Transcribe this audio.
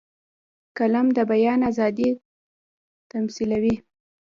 قلم د بیان آزادي تمثیلوي